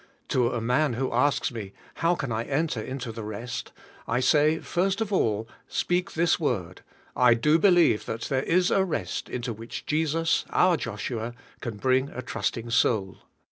To a man who asks me, "How can I enter into the rest?"' I say, first of all, speak this word, "I do believe that there is a rest into which Jesus, our Joshua, can bring a trusting soul."